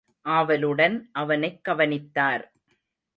ஆவலுடன் அவனைக் கவனித்தார்.